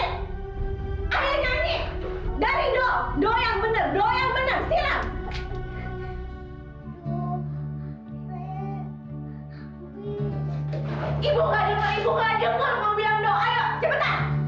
nyanyi yang kecil